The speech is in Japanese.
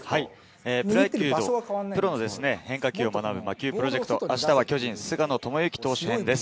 プロ野球の変化球を学ぶ魔球プロジェクト、明日は巨人・菅野智之投手編です。